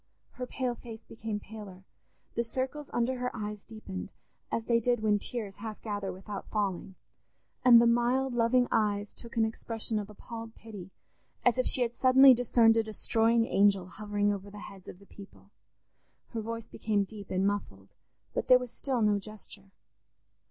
Her pale face became paler; the circles under her eyes deepened, as they did when tears half gather without falling; and the mild loving eyes took an expression of appalled pity, as if she had suddenly discerned a destroying angel hovering over the heads of the people. Her voice became deep and muffled, but there was still no gesture.